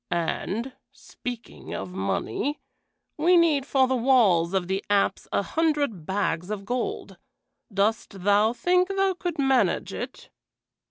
And speaking of money, we need for the walls of the apse a hundred bags of gold. Dost thou think thou couldst manage it?"